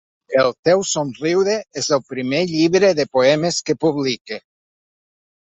El teu somriure és el primer llibre de poemes que publica.